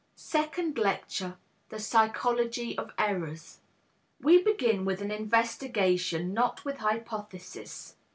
SECOND LECTURE THE PSYCHOLOGY OF ERRORS We begin with an investigation, not with hypotheses.